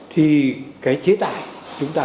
thì cái chế tải chúng ta